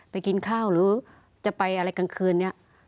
กินข้าวหรือจะไปอะไรกลางคืนนี้